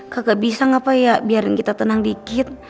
gak bisa gak apa ya biarin kita tenang dikit